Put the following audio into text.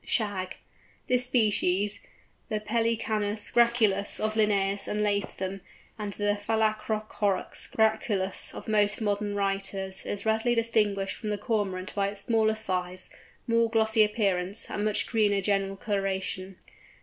SHAG. This species, the Pelecanus graculus of Linnæus and Latham, and the Phalacrocorax graculus of most modern writers, is readily distinguished from the Cormorant by its smaller size, more glossy appearance, and much greener general colouration.